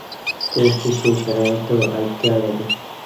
کورس د ښو شرایطو اړتیا لري.